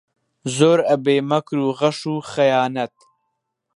زۆر ئەبێ مەکر و غەش و خەیانەت